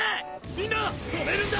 みんな止めるんだ！